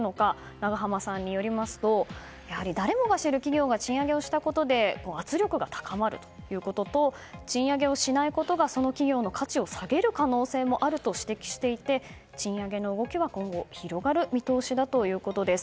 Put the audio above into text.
永濱さんによりますとやはり誰もが知る企業が賃上げしたことで圧力が高まるということと賃上げをしないことがその企業の価値を下げる可能性もあると指摘していて賃上げの動きは今後広がる見通しだということです。